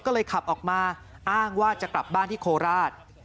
ก็เลยขับออกมาอ้างว่าจะกลับบ้านที่โคราช